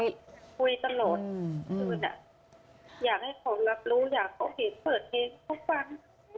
คุยตลอดอยากให้เขารับรู้อยากเขาเห็นเสิร์ชให้เขาฟัง